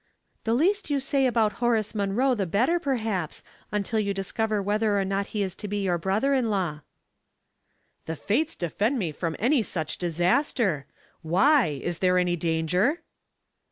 " The least you say about Horace Munroe the better, perhaps, until you discover whether or not he is to be your brother in law." " The fates defend me from any such disaster. Why ! is there any danger